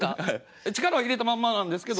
力を入れたまんまなんですけど。